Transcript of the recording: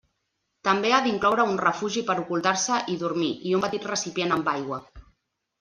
També ha d'incloure un refugi per ocultar-se i dormir i un petit recipient amb aigua.